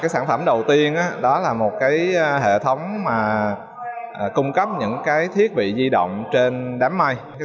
sản phẩm đầu tiên là một hệ thống cung cấp những thiết bị di động trên đám mây